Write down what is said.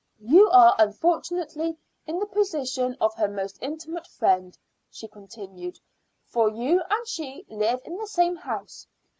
"You are unfortunately in the position of her most intimate friend," she continued, "for you and she live in the same house.